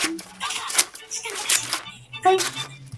I had created a creative energy and a creative bond with Timbaland.